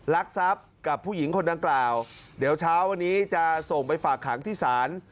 รักทรัพย์กับผู้หญิงคนดังกล่าวเดี๋ยวเช้าวันนี้จะส่งไปฝากขังที่ศาล